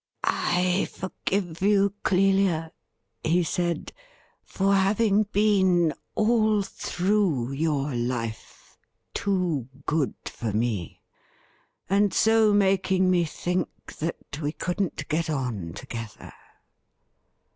'I forgive you, Clelia,' he said, 'for having been all through your life too good for me, and so making me think that we couldn't get on together.